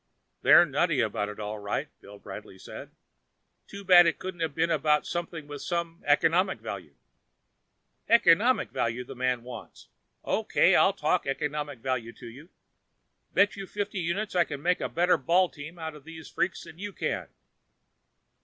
"They're nutty about it, all right," Bill Bradley said. "Too bad it couldn't have been about something with some economic value." "Economic value, the man wants. Okay, I'll talk economic value to you. Bet you fifty units I can make a better ball team out of these freaks than you can."